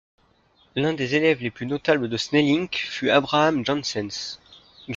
L'un des élèves les plus notables de Snellinck fut Abraham Janssens.